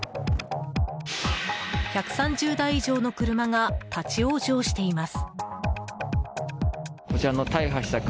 １３０台以上の車が立ち往生しています。